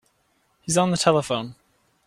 He's on the telephone.